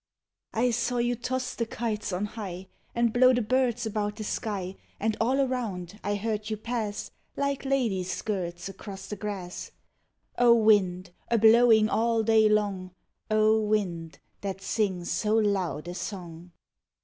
I saw you toss the kites on high And blow the birds about the sky; And all around I heard you pass, Like ladies' skirts across the grass — O wind, a blowing all day long, O wind, that sings so loud a song!